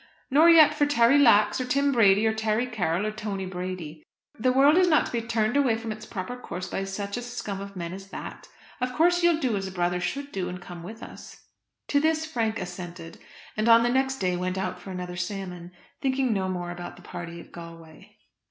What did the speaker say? "Nor yet for Terry Lax, or Tim Brady, or Terry Carroll, or Tony Brady. The world is not to be turned away from its proper course by such a scum of men as that. Of course you'll do as a brother should do, and come with us." To this Frank assented, and on the next day went out for another salmon, thinking no more about the party at Galway.